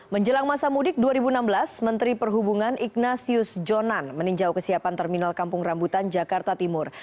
menjelang masa mudik dua ribu enam belas menteri perhubungan ignasius jonan meninjau kesiapan terminal kampung rambutan jakarta timur